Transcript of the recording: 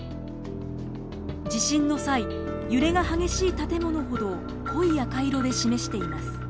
地震の際揺れが激しい建物ほど濃い赤色で示しています。